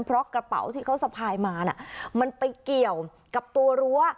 เพราะกระเป๋าที่เขาสะพายมาน่ะมันไปเกี่ยวกับตัวรั้ว